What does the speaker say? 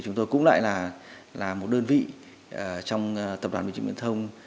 chúng tôi cũng lại là một đơn vị trong tập đoàn bệnh trị nguyễn thông